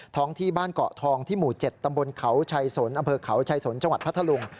ที่บ้านเกาะทองที่หมู่๗ตำบลเขาชัยสนอำเภอเขาชัยสนจังหวัดพัทธลุง